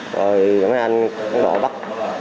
rồi mấy anh cán bộ bắt